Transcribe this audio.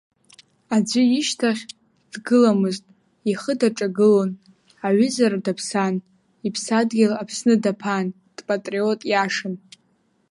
Аӡәы ишьҭахь дгыломызт, ахы даҿагылон, аҩызара даԥсан, иԥсадгьыл Аԥсны даԥан, дпатриот иашан.